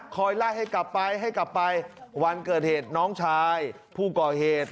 คอยไล่ให้กลับไปวันเกิดเหตุน้องชายผู้ก่อเหตุ